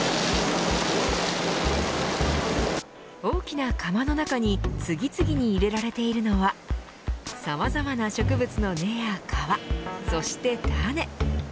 大きな釜の中に次々に入れられているのはさまざまな植物の根や皮そして種。